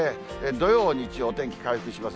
土曜、日曜、お天気回復します。